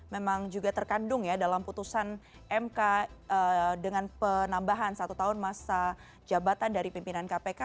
memang juga terkandung ya dalam putusan mk dengan penambahan satu tahun masa jabatan dari pimpinan kpk